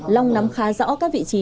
long nắm khá rõ các vị trí